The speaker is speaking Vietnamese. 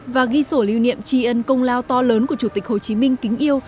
và ghi sổ lưu niệm tri ân công lao to lớn của chủ tịch hồ chí minh kính yêu